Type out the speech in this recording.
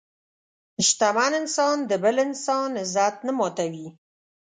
شتمن انسان د بل انسان عزت نه ماتوي.